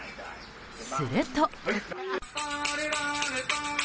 すると。